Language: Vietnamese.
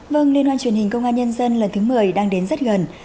vâng liên hoan truyền hình công an nhân dân lần thứ một mươi đang đến rất gần